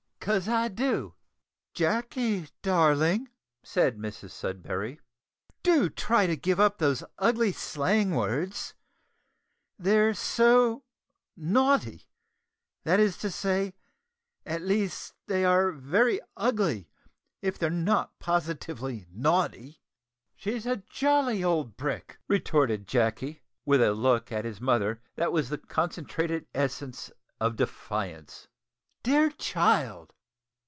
"'Cause I do. She's a old brick!" "Jacky, darling," said Mrs Sudberry, "do try to give up those ugly slang words they're so naughty that is to say at least they are very ugly if they're not positively naughty." "She's a jolly old brick," retorted Jacky, with a look at his mother that was the concentrated essence of defiance. "Dear child!"